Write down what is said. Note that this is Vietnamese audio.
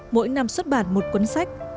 mỗi năm xuất bản một cuốn sách